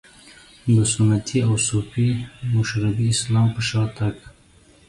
د سنتي او صوفي مشربي اسلام په شا تګ.